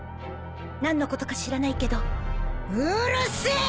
何のことか知らないけどうるせえ！